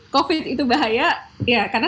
covid itu bahaya ya karena